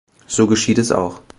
So geschieht es auch.